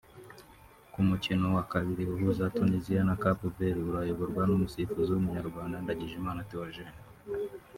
Ku mukino wa kabiri uhuza Tuniziya na Cap Vert urayoborwa n’umusifuzi w’Umunyarwanda Ndagijimana Theogene